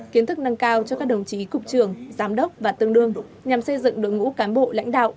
kiến thức nâng cao cho các đồng chí cục trưởng giám đốc và tương đương nhằm xây dựng đội ngũ cán bộ lãnh đạo